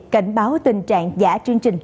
cảnh báo tình trạng giả chương trình